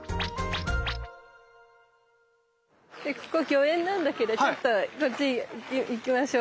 ここ御苑なんだけどちょっとこっち行きましょう。